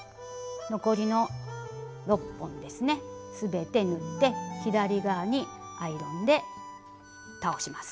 残りの６本ですね全て縫って左側にアイロンで倒します。